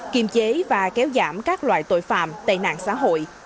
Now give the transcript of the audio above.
kiềm chế và kéo giảm các loại tội phạm tệ nạn xã hội